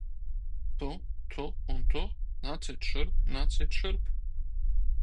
Tu, tu un tu, nāciet šurp, nāciet šurp!